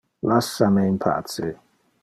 Lassa me in pace!